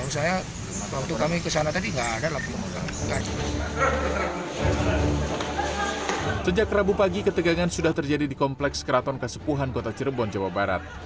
sejak rabu pagi ketegangan sudah terjadi di kompleks keraton kasepuhan kota cirebon jawa barat